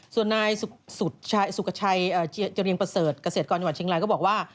ส่วนนายสุขชัยเจรียงประเสริฐเกษตรกรจังหวัดเชียงรายก็บอกว่า